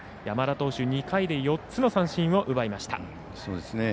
山田投手、２回で４つの三振を出しました。